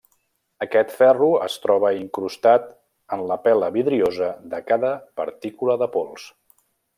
Aquest ferro es troba incrustat en la pela vidriosa de cada partícula de pols.